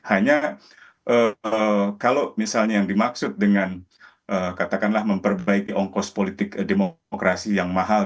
hanya kalau misalnya yang dimaksud dengan katakanlah memperbaiki ongkos politik demokrasi yang mahal